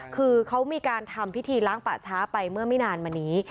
คือเขามีการทำพิธีล้างป่าช้าไปเมื่อไม่นานมานี้